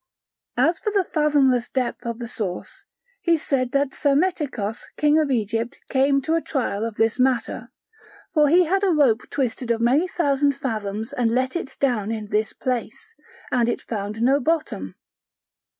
As for the fathomless depth of the source, he said that Psammetichos king of Egypt came to a trial of this matter; for he had a rope twisted of many thousand fathoms and let it down in this place, and it found no bottom.